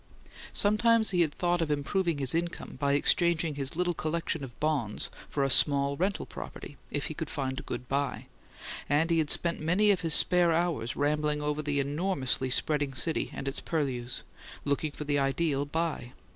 Sometimes he had thought of improving his income by exchanging his little collection of bonds for a "small rental property," if he could find "a good buy"; and he had spent many of his spare hours rambling over the enormously spreading city and its purlieus, looking for the ideal "buy."